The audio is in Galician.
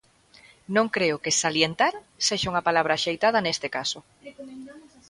Non creo que "salientar" sexa unha palabra axeitada neste caso.